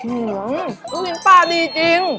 อื้ออื้อชิ้นปลาดีจริง